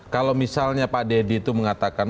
kalau misalnya pak deddy itu mengatakan